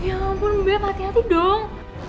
ya ampun beda hati hati dong